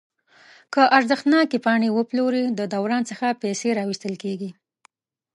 که ارزښتناکې پاڼې وپلوري د دوران څخه پیسې راویستل کیږي.